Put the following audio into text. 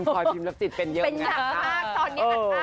เป็นยากมากตอนนี้ค่ะท่าน